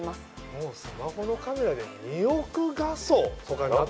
もうスマホのカメラで２億画素とかになってんの？